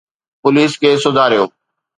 Police کي سڌاريو.